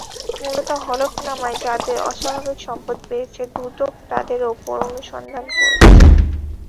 মূলত হলফনামায় যাঁদের অস্বাভাবিক সম্পদ বেড়েছে, দুদক তাঁদের ওপর অনুসন্ধান করছে।